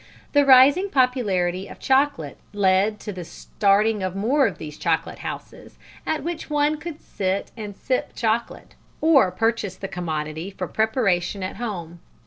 The rising popularity of chocolate led to the starting of more of these chocolate houses, at which one could sit and sip chocolate, or purchase the commodity for preparation at home.